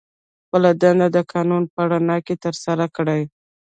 خپله دنده د قانون په رڼا کې ترسره کړي.